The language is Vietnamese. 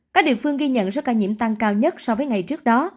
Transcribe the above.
các địa phương ghi nhận số ca nhiễm tăng cao nhất so với ngày trước đó